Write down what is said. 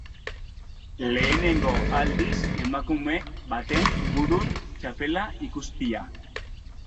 Lehenengo aldiz emakume baten burun txapela ikustia.